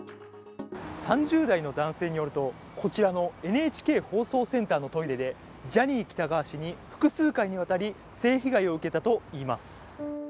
３０代の男性によるとこちらのＮＨＫ放送センターのトイレでジャニー喜多川氏に複数回にわたり性被害を受けたといいます。